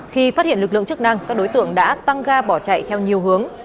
khi phát hiện lực lượng chức năng các đối tượng đã tăng ga bỏ chạy theo nhiều hướng